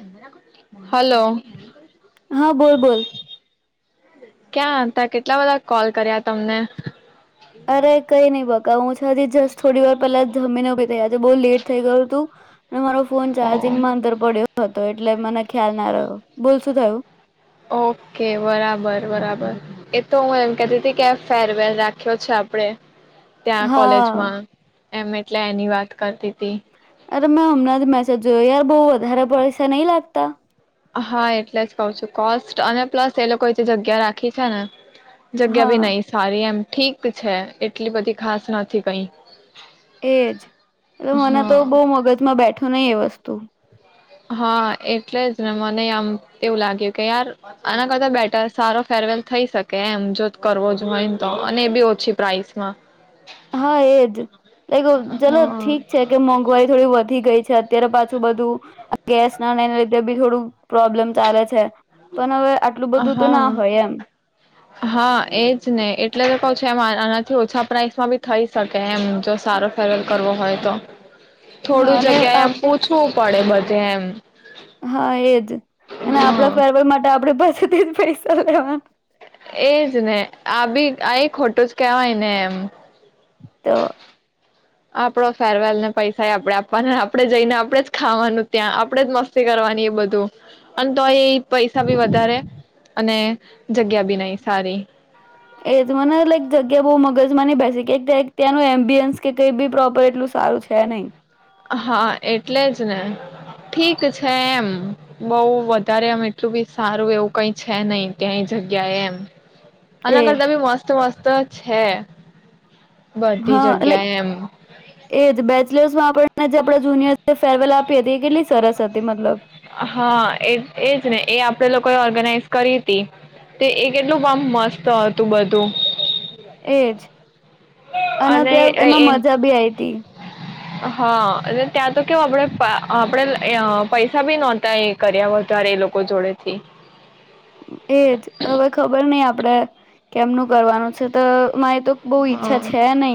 એદરા [unintelligible] hello. હા બોલ બોલ. ક્યાં હતા કેટલા બધા કોલ કર્યા તમને? અરે કઈ નઈ બકા જસ જસ થોડી વાર પેલા જમીને થયા છે બહ લેટ થઈ ગયું તું અને મારો ફોન ચાર્જિંગ માં અંતર પડ્યો હતો એટલે મને ખ્યાલ ના રહ્યો, બોલ શું થયું? ઓકે બરાબર બરાબર એતો હું એમ કતી હતી કે ફેરવેલ રાખ્યો છે આપણે. ત્યાં હા કોલેજમાં. એમ એટલે એની વાત કરતી હતી. અરે મેં હમણાંથી મેસેજ જોયો યાર બહ વધારે પૈસા નહી લાગતા? હા એટલે જ કઉ છું કોસ્ટ અને પ્લસ એ લોકોએ જે જગ્યા રાખી છે ને. જગ્યા હા ભી નહી સારી એમ. ઠીક છે એટલી બધી ખાસ નથી કઈ. એજ, એટલે મને તો હા બહુ મગજમાં બેઠો નહી એ વસ્તુ. હા એટલે જ ને મને આમ એવું લાગ્યું કે યાર આના કરતા બેટર સારો ફેરવેલ થઈ શકે એમ જો કરવો જ હોય ને તો અને એ બી ઓછી પ્રાઇસમાં. હા એજ લાઈક ચલો ઠીક છે કે મોંઘવારી થોડી વધી ગઈ છે. અત્યારે પાછું બધું. ગેસના અને લીધે બી થોડું પ્રોબ્લેમ ચાલે છે. પણ હવે આટલું બધું તો ના હા, હોય એમ હા એજ ને એટલે લોકો થી ઓછા પ્રાઇસમાં બી થઈ શકે એમ જો સારો ફેરવેલ કરવો હોય તો. હા થોડું અને જગ્યાએ એમ ઓછું પડે બધે એમ. હા એજ, અને આપડા ફેરવેલ માટે આપડે પાસેથી જ પૈસા લેવાનું. એજ ને આ બી આ એ ખોટું જ કેહેવાય ને એમ. તો આપડો ફેરવેલ ને પૈસા એ આપણે આપવાનો આપણેે જઈને આપણેે જ ખાવાનું ત્યાં આપણેે જ મસ્તી કરવાની એ બધું, અને તો એ પૈસા બી વધારે. અને જગ્યા બી નઈ સારી. એજ મને લાઈક જગ્યા બો મગજમાં ન બેસે કે ત્યાંનું એમ્બિયન્સ કે કઈ બી પ્રોપર એટલું સારું છે નય. હા એટલે જ ને, ઠીક છે એમ બઉ વધારે એમ એટલું બી સારું એવું કઈ છે નહી ક્યાંય જગ્યા એમ. આના એજ કરતા બી મસ્ત મસ્ત છે. બધી હા લાઈક જગ્યાએ એમ એજ બેચલર્સ માં આપ જુનિયર છે ફેરવેલ આપી હતી. કેટલી સરસ હતી મતલબ હા એ એજ ને એ લોકોએ ઓર્ગેનાઈઝ કરી હતી, તે એ કેટલું મસ્ત હતું બધું. એજ. અનાં અને ત્યાં એમાં એ મજા બી આઈ હતી. હા અને ત્યાં તો કેવ આપણે આપણે પૈસા બી નહોતા એ કર્યા વધારે એ લોકો જોડે થી. એજ હવે ખબર નય આપ આપડે, કેમનું કરવાનું છે તો મારી તો બો ઈચ્છા હા છે નય.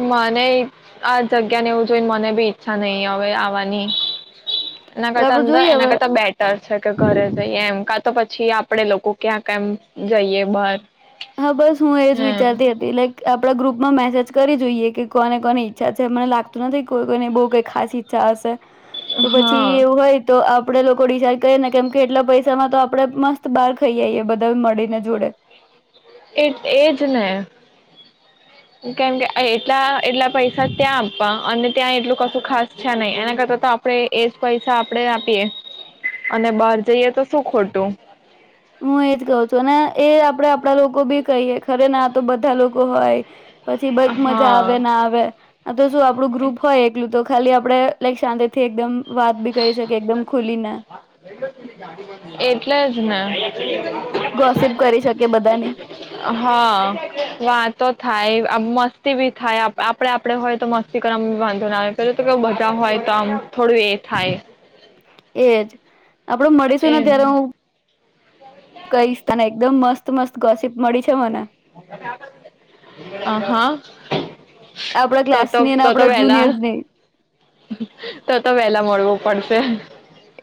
મને આ જગ્યા ને એવું જોઈને મને બી ઈચ્છા નય હવે આવવાની. એના કરતા આપડે અંદર જોઈએ એના હવે કરતા બેટર છે કે ઘરે જઈએ એમ. તો પછી આપડે લોકો ક્યાં કેમ જઈએ બાર. હા બસ હું એજ વિચારતી હતી. લાઈક આપડા ગ્રુપમાં મેસેજ કરી જોઈએ કે કોને કોની ઈચ્છા છે મને લાગતું નથી કોઈ કોઈને બઉ કઈ ખાસ ઈચ્છા હશે. તો પછી હા એવું હોય તો આપડે લોકો ડિસાઈડ કરીએ ને કેમ કે એટલા પૈસામાં તો આપડે મસ્ત બહાર જઈ આવીઈએ બધા મળીને જોડે. એ એજ ને, કેમ કે એટલા એટલા પૈસા ત્યાં આપવા અને ત્યાં એટલું કશું ખાસ છે નહી એના કરતા તો આપણે એજ પૈસા આપણે આપીએ, અને બહાર જઈએ તો શું ખોટું. હું એજ કહઉ છું અને એ આપડે આપડા લોકો બી કહીયએ ખરે ના તો બધા લોકો હોય. પછી બ મજા આવે હા ના આવે. આ તો શું આપડું ગ્રુપ હોય એકલું તો ખાલી આપડે લાઈક શાંતિ થી એકદમ. વાત બી કરી શકીએ એકદમ ખુલીને [unintelligible] એટલે જ ને. જ. [inaudible] ગોસીપ કરી શકીએ બધાની હા વાતો થાય. આમ મસ્તી બી થાય આપણે આપણે હોય તો મસ્તી કરવામાં બી વાંધો ના આવે પ તો કે બધા હોય તો આમ થોડું એ થાય. એજ. આપડું મળીશું ને એમ ત્યારે હું કઈસ સ્થ એકદમ મસ્ત. મસ્ત ગોસીપ મળી છે મને. આ હા. આપણા તો તો ક્લાસની તો તો આપણા વહેલા જુનિયર્સની, તો તો વહેલા મળવું પડશે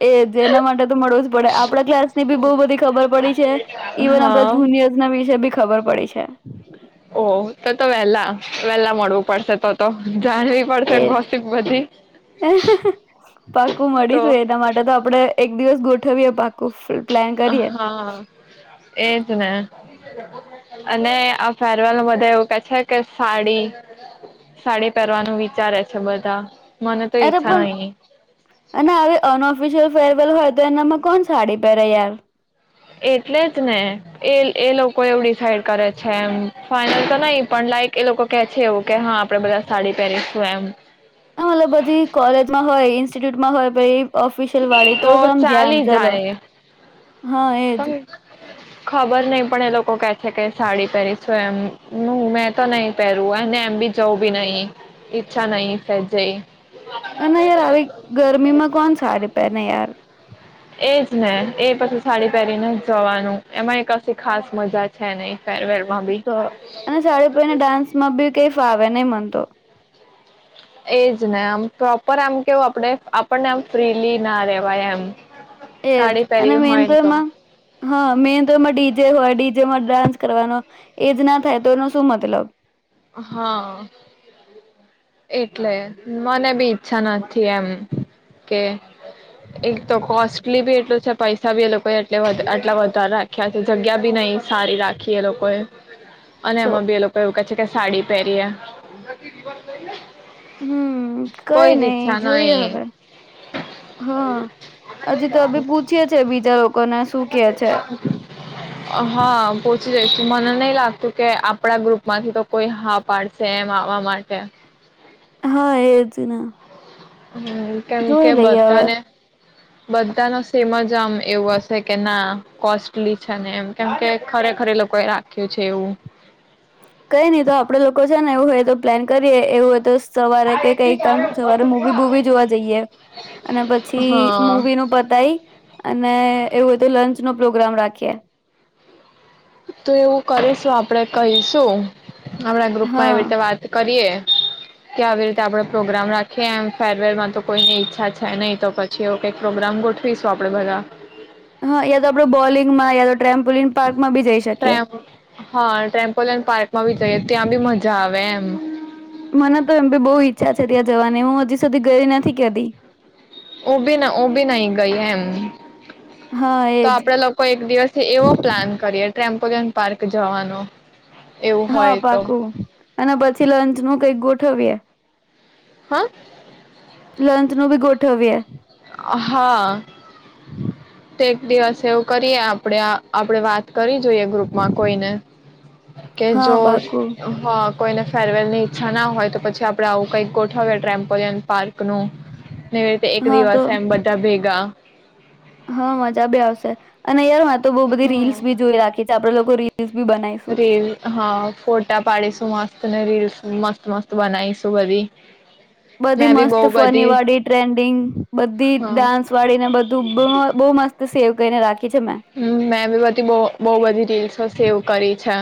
એજ એના માટે તો મળવું જ પડે આપણા ક્લાસની બી બ બધી ખબર પડી છે ઇવન આપ હા જુનયર્સ વિશે. ખબર પડી છે. ઓ તો તો વેલા વેલા મળવું પડશે તો તો. જાણવી પડશે એજ, ગોસીપ બધી પાક્કું તો મળીશું એના માટે તો આપડે. એક દિવસ ગોઠવી પાક હા એજ ને. અને આ ફેરવેલ બધે એવું કે છે કે સાડી સાડી પહેરવાનું વિચારે છે બધા. મને તો અરે ઈચ્છા પણ નહી અને હ અન ઓફિશિયલ ફેરવેલ હોય તો એનામાં કોણ સાડી પહેરે યાર. એટલે જ ને એ એ લોકો એવું ડિસાઇડ કરે છે એમ ફાઈનલ તો નહી પણ લાઈક એ લોકો કે છે એવું કે હા આપડે બધા સાડી પહેરીશું એમ. મતલબ બધી કોલેજમાં હોય ય. ટમાં હોય તો પછી એ ઓફિશિયલ વાળી તો સમજાય એમ ચાલી ચલો. જાય હા એજ. પણ ખબર નહી પણ એ લોકો કે છે કે સાડી પહેરીશું એમ હ મે. તો નહીં પહેરવું ને એમ બી. જવ બી નહી ઈચ્છા નહી સહેજે. અને યાર આવી ગરમીમાં કોણ સારી પેને યાર. એજ ને એ પછી સાડી પહેરીને જ જવાનું એમાં એ કઇ ખાસ મજા છે નઈ. તો અને સાડી પહેરી ડાન્સમાં બી કઈ ફાવ. હવે નઈ માનતો. એજ ને આમ પ્રોપર એમ કેવું આપણે આપણને એમ ફ્રીલી ના રેવાય એમ. એજ સાડી અને પહેરી મેઇન હોય ને તો એમાં હા મેઇન તો એમાં ડીજે હોય ડીજેમાં ડાન્સ કરવાનો એજ ના થાય તો એનો શું મતલબ હા એટલે મને બી ઈચ્છા નથી એમ કે એક તો કોસ્ટલી બી એટલું છે. પૈસા બી એ લોકોએ આટલા વધારે રાખ્યા છે જગ્યા બી નહી સારી રાખી એ લોકોએ અને તો એમાં બે લોકો એવું છે કે સાડી પહેરીએ. હમ કઈ કોઈ જ નઈ ઈચ્છા જોઈએ નહી હવે હા હજી તો અી પૂછીય છે બીજા લોકોને શું કે છે. હા પૂછી મને નહી લાગતું કે આપણા ગ્રુપમાંથી તો કોઈ હા પાડશે એમ આવવા માટે. હા એ જ ના હમ કેમ કે બધાને બધા નો સેમ જ આમ એવું હશે કે ના કોસ્ટલી છે ને એમ કેમ કે ખરેખરે લોકો એ રાખ્યું છે એવું. કઈ નહી તો આપડે લોકો છે ને એવું હોય તો પ્લાન કરીએ એવું હોય તો સવારે કે કઈ કામ સવારે મૂવી બૂવી જોવા જઈએ અને પછી હા મૂવી નું પતાય અને એવું હોય તો લંચ નો પ્રોગ્રામ રાખીએ. તું એવું કરીશું આપડે કહીશું. આપણા ગ્રુપ માં હા એવી રીતે વાત કરીએ. કે આવી રીતે આપડે પ્રોગ્રામ રાખીએ એમ ફેરવેલમાં તો કોઈની ઈચ્છા છે નહી તો પછી એવુ કઈક પ્રોગ્રામ ગોઠવીશું આપડે બધા હા યા તો આપડે બોલિંગમાં યા તો ટ્રેમ્પોલિન પાર્કમાં બી જઈ શકીએ ટમ હા ટ્રેમ્પોલિયન પાર્કમાં બી જઈએ ત્યાં બી મજા જાવે એમ મને તો એમ ભી બહુ ઈચ્છા છે ત્યાં જવાની હું હજી સુધી ગઈ નથી ક્તી ઓ બી ના ઓ બી નહી ગઈ એમ હા તો એજ આપડે લોકો એક દિવસ એવો પ્લાન કરીએ. ટમ્પોલિયન પાર્ક જવાનો. એવું હા હોય તો પાકું અને પછી લંચ નું કઈક ગોટ ઠવીય હા. લંચ નુ બી ગોઠવવી એ. હા [inaudible] તે દિવસે એવું કરીએ આપડે-આપડે વાત કરી જોઈએ ગ્રુપમાં કોઈને કે હા જો પાકું હા કોઈને ફેરવેલની ઈચ્છા હોય પછી આપણે આવું કંઈક ગોઠવીએ ટ્રેમ્પોિયન પાર્ક એક નું તે એક હા તો દિવસ એમ બધા ભેગા હા મજા બે આવશે અને યાર તો બહુ બધી રીલ્સ બી જોઈ રાખી છે આપડે લોકો બુરી રેવી હા ફોટા પાડીશું મસ્ત મને રીલસ મસ્ત મસ્ત બનાઈશું બધી. બધી મેં બી બહુ મસ્ત ફની બધી વાળી ટ્રેન્ડિંગ બધી હા ડાન્સ વાળી ને બધું બહુ મસ્ત તો સેવ કરીને રાખી છે મેં હમ મેં બી બધી બ બહુ બધી રીલ્સ સેવ કરી છે.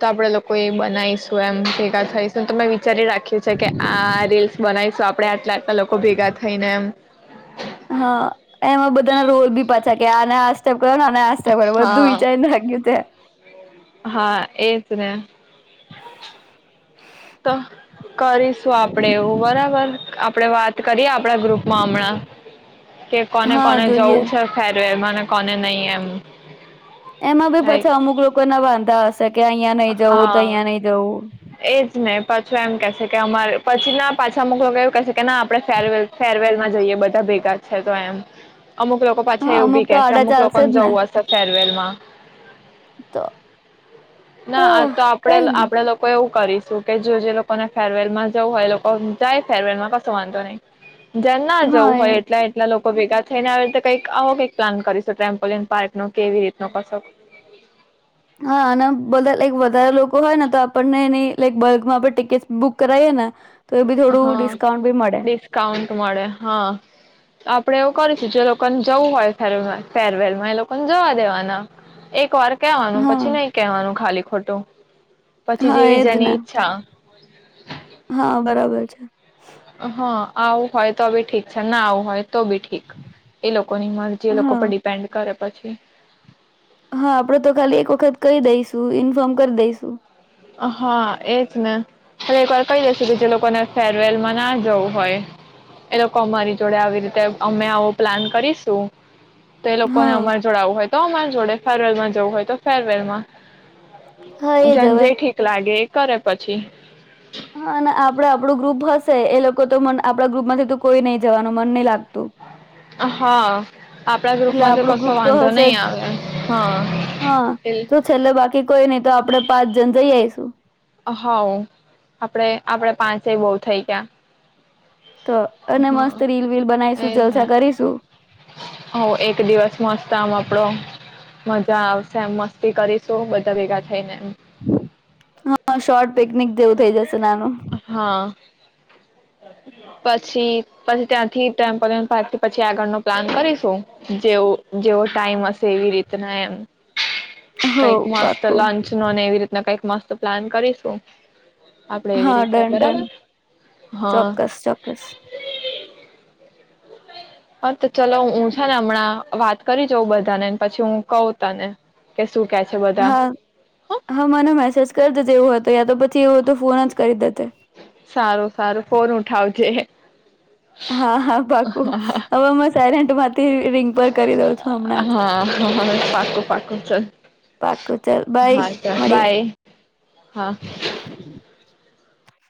તો આપડે લોકો એ બનાવીશું એમ ભેગા થઈશ તમે વિચારી રાખ્યું છે કે આ રીલ્સ બનાવીશું આપણે આટલા આટલા લોકો ભેગા થઈને એમ હા એમાં બધાના રોલ બી પાછા કે આના કોના નાસ્તા ભરવા બધું હા. વિચારીને લાગ્યું છે. હા એજ ને. તો કરીશું આપડે એવું બરાબર આપડે વાત કરીએ આપણા ગ્રુપમાં હમણાં કે કોને હા કોને જોઈએ જવું છે ફેરવેરમાં કોને નહી એમ. એમાં બી લાઈક પછી અમુક લોકોના વાંધા હશે. કે અહિયાં નહી જવું તો હા અહિયાં નઈ જવું. એજ ને પાછું એમ કેશે કે અમારે પછીના પાછા અમુક લોકો એવું કેશે કે ના આપડણે ફેરવેલ ફેરવેલમાં જઈએ બધા ભેગા છે તો એમ. અમુક લોકો પાછા હા એવું બી અમુક તો કેહશે છે આડા અમુક ચાલશે લોકોને જ ને જવું હશે ફે ટ્રેનમાં [unintelligible] તો ના હા તો આપડે કઈ નઈ આપડે લોકો એવું કરીશું કે જો જે લોકોને ફેરવેલમાં જવું હોય એ લોકો જાય ફેરવેલમાં કશો વાંધો નહી. જેને ના હા જવું એ હોય એટલા એટલા લોકો ભેગા થઈને આવી રીતે કઈક આવો કઈક પ્લાન કરીશું ટટેમ્પોલિયન પાર્ક નો કેવી રીતનો કશો. હા અને બધા લક વધારે લોકો હોય ને તો આપણને એની લક બલ્કમાં પણ ટિકિટ બુક કરાવએ ને તો એ બી થોડું હા ડિસ્કાઉન્ટ બી મળે ડિસ્કાઉન્ટ મળે હા. આપ આપડે એવું કરીશું જે લોકોને જવું હોય ફ ફેરવેલમાં એ લોકોને જોવા દેવાના એક વાર કેવાનું હા પછી નહી કેહેવાનું ખાલી ખટો પછી હા જેવી એજ જની ને ઈચ્છા. હો. હા બરાબર છે. હા આવું હોય તો બી ઠીક છે ના આવું હોય તો ઠીક એ લોકો ની મારજી એ લોકો હા ઉપર ડિપેન્ડ કરે. પછી હા આપડો તો ખાલી એક વખત કહી દઈશું ઇન્ફોર્મ કરી દઈશુ. હા એજ ને હલે એક વાર કહી દેસું કે જે લોકોને ફેરવેલ માં ના જવું હોય એ લોકો અમારી જોડે આવી રીતે અમે આવું પ્લાન કરીશું. તો એ લોકોને હા અમાર જોડ આવું હોય તો અમાર જોડે ફેરલ જવું હોય તો ફેરવેલમાં હા એજ જેન અવે. જે ઠીક એ કરે પછી. હા અને આપડે આપણું ગ્રુપ હશે એ લોકો તો મ આપણા ગ્રુપ માંથી તો કોઈ નહી જવાનું મન નહી લાગતું હા. આપડા એટલે ગ્રુપમાં તો આપડું કશો ગ્રુપ વાંધો હશે નહી જ આવે હા હા એ તો છેલ્લે બાકી કોઈ નહી તો આપડે પાંચ જણ જઈ આઈશું. હઉ આપડે આપડે પાંચે બઉ થઈ ગયા. તો અને મસ્ત હમ્મ રીલ વીલ બનાવીશું એજ ને, જલસા કરીશું હ એક દિવસ મસ્તમ આપડો મજા આવશે એમ મસ્તી કરીશું બધા ભેગા થઈ ને. હા શોર્ટ પિકનિક જેવું થઇ જશે નાનું. હા પછી પછી ત્યાંથી ટેમ્પલ પછી આગળનો પ્લાન કરીશું, જેવ જેવો ટાઈમ હશે એવી રીતના એમ. હો કઈક મસ્ત પાકું લંચ નોને એવી રીતના કઈ મસ્ત પ્લાન કરીશું. આપડે એવી હા રીતે ડન બરાબર હા. કસ. હા તો ચલો હું છે ને હમણાં વાત કરી જાઉં બધાને પછી હું કઉ તને કે શું કે છે બધા હા હ હા મને મેસેજ કર દે જેવું હ તો તો એવો તો ફોન જ કરી દે. તે સારો સારો ફોન ઉઠાવજે. હા હા બાકુ હવેમાં સાર માંથી રિંગ પર કરી દઉં છું. હમણાં જ હા હ હ. પાકો છે. પાકું ચાલ બાય હા ચ મળીએ બાય હા.